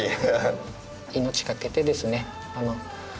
命懸けてですね